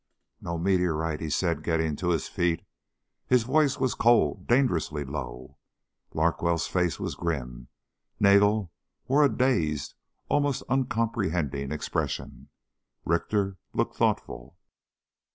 "No meteorite," he said, getting to his feet. His voice was cold, dangerously low. Larkwell's face was grim. Nagel wore a dazed, almost uncomprehending expression. Richter looked thoughtful.